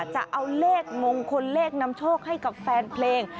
จะเอาเลขมงคลเลขนำโชคให้กับแฟนเพลง